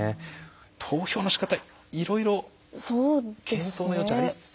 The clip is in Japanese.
投票のしかたいろいろ検討の余地ありそう。